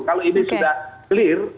kalau ini sudah clear